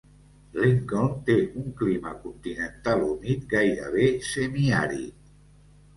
Lincoln té un clima continental humit gairebé semiàrid.